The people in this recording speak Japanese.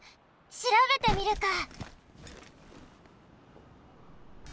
しらべてみるか！